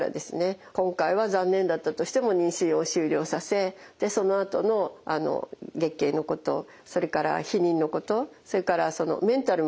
今回は残念だったとしても妊娠を終了させでそのあとの月経のことそれから避妊のことそれからメンタルもだいぶね